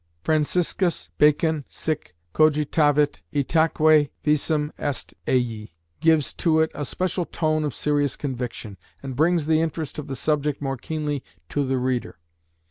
"Franciscus Bacon sic cogitavit ... itaque visum est ei" gives to it a special tone of serious conviction, and brings the interest of the subject more keenly to the reader.